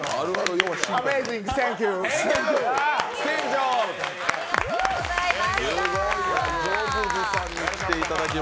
アメイジング、センキュー。